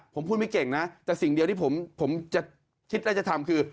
ผมพูดไม่เก่งนะแต่สิ่งเดียวที่ผมจะคิดและจะทำคือ